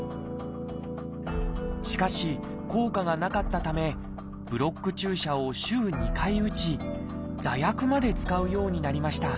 しかし効果がなかったためブロック注射を週２回打ち座薬まで使うようになりました。